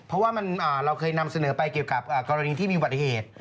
เพราะว่าเราเคยนำเสนอไปเกี่ยวกับกรณีที่มีอุบัติเหตุ